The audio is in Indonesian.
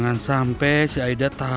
gua memerg memerg aja